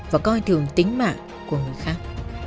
và coi thường tính mạng của người khác